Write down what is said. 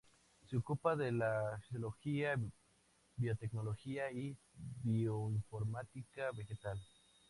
Se ocupa de la fisiología, biotecnología, y bioinformática vegetal.